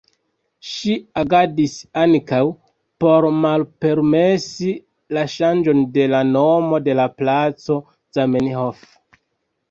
Ŝi agadis ankaŭ por malpermesi la ŝanĝon de la nomo de la placo Zamenhof.